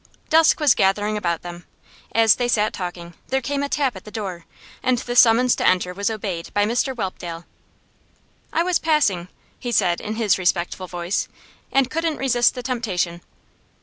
Dusk was gathering about them. As they sat talking, there came a tap at the door, and the summons to enter was obeyed by Mr Whelpdale. 'I was passing,' he said in his respectful voice, 'and couldn't resist the temptation.